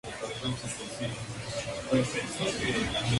El olivo es el árbol emblemático de la zona.